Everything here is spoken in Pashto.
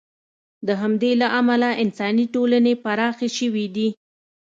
د همدې له امله انساني ټولنې پراخې شوې دي.